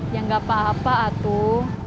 ya gak apa apa atuh